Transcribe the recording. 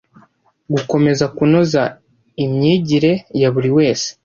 Gukomeza kunoza imyigire ya buri wese